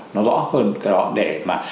nó rõ hơn cái đó để mà